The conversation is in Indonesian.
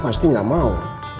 pasti tidak mau